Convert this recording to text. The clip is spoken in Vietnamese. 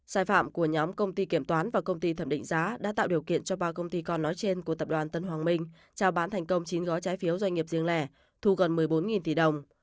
sai phạm của nhóm công ty kiểm toán và công ty thẩm định giá đã tạo điều kiện cho ba công ty con nói trên của tập đoàn tân hoàng minh trao bán thành công chín gói trái phiếu doanh nghiệp riêng lẻ thu gần một mươi bốn tỷ đồng